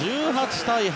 １８対８。